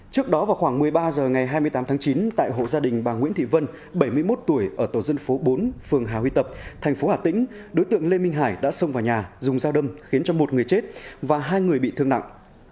trước đó vào khoảng một mươi ba h ngày hai mươi tám tháng chín tại hộ gia đình bà nguyễn thị vân bảy mươi một tuổi ở tổ dân phố bốn phường hà huy tập thành phố hà tĩnh đối tượng lê minh hải đã xông vào nhà dùng dao đâm khiến cho một người chết và hai người bị thương nặng